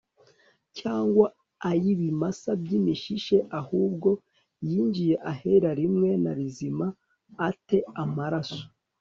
cyangwa ay ibimasa by imishishe ahubwo yinjiye ahera rimwe na rizima a te amaraso